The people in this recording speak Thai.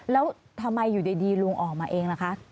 แล้วทำไมอยู่ดีลุงออกมาเองล่ะคะ